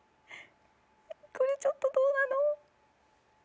これちょっとどうなの？